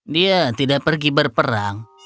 dia tidak pergi berperang